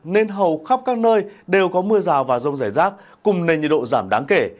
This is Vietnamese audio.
nên hầu khắp các nơi đều có mưa rào và rông rải rác cùng nền nhiệt độ giảm đáng kể